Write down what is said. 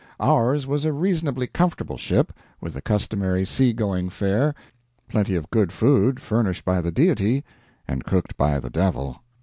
Ours was a reasonably comfortable ship, with the customary sea going fare plenty of good food furnished by the Deity and cooked by the devil.